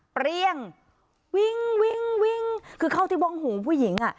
เปรี้ยงวิ่งวิ่งคือเข้าที่บ้องหูผู้หญิงอ่ะ